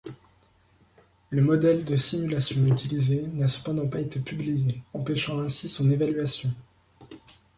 Le modèle de simulation utilisé n'a cependant pas été publié, empêchant ainsi son évaluation.